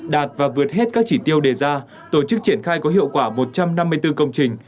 đạt và vượt hết các chỉ tiêu đề ra tổ chức triển khai có hiệu quả một trăm năm mươi bốn công trình